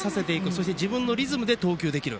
そして自分のリズムで投球できる。